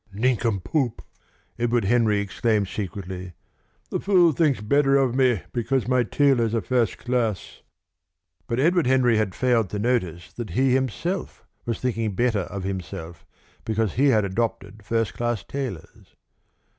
"Nincompoop!" Edward Henry exclaimed secretly. "The fool thinks better of me because my tailors are first class." But Edward Henry had failed to notice that he himself was thinking better of himself because he had adopted first class tailors.